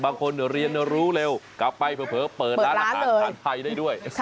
บางคนเรียนรู้เร็วกลับไปเผลอเปิดร้านอาหารไทยได้ด้วย